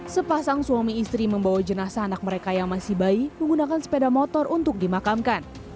sepasang suami istri membawa jenazah anak mereka yang masih bayi menggunakan sepeda motor untuk dimakamkan